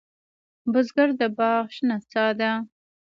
بزګر د باغ شنه سا ده